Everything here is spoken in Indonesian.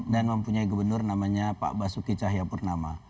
dan mempunyai gubernur namanya pak basuki cahyapurnama